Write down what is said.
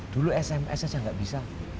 dulu sms aja enggak bisa